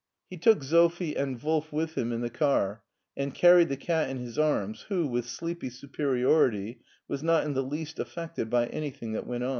He took Sophie and Wolf with him in the car, and carried the cat in his arms, who, with sleepy su periority, was not in the least affected by anything that went ott.